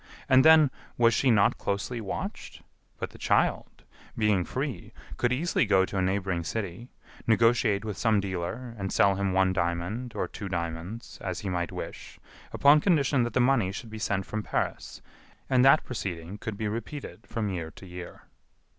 And then, was she not closely watched? But the child, being free, could easily go to a neighboring city, negotiate with some dealer and sell him one diamond or two diamonds, as he might wish, upon condition that the money should be sent from Paris, and that proceeding could be repeated from year to year."